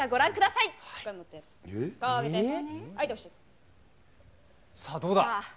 さあ、どうだ。